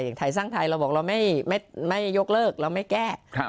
ไทยสร้างไทยเราบอกเราไม่ยกเลิกเราไม่แก้